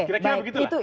kira kira begitu lah